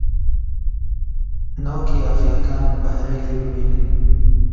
نەوەک یاغییەکان بەهرەی لێ ببینن!